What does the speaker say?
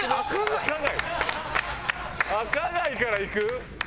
赤貝からいく？